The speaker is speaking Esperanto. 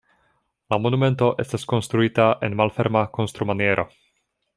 La monumento estas konstruita en malferma konstrumaniero.